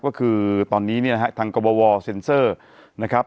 ก็คือตอนนี้เนี่ยนะฮะทางกรบวเซ็นเซอร์นะครับ